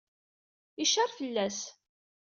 Icar fell-as.